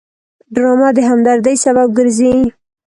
ډرامه د همدردۍ سبب ګرځي